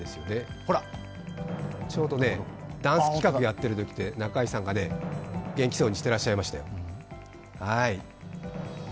ほら、ちょうどね、ダンス企画してるときで、中居さんが元気そうにしてらっしゃいましたよ。